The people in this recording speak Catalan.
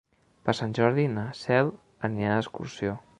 Per Sant Jordi na Cel anirà d'excursió.